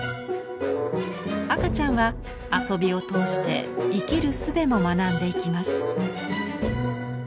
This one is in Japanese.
赤ちゃんは遊びを通して生きる術も学んでいきます。